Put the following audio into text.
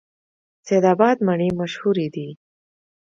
سید اباد مڼې مشهورې دي؟